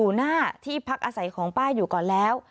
หน้าที่พักอาศัยของป้าอยู่ก่อนแล้ว